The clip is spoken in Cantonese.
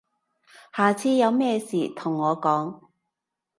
下次有咩事同我講